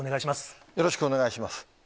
よろしくお願いします。